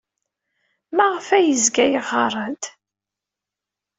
Maɣef ay yezga yeɣɣar-d?